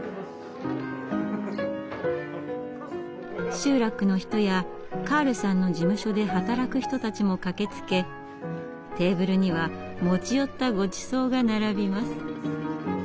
集落の人やカールさんの事務所で働く人たちも駆けつけテーブルには持ち寄ったごちそうが並びます。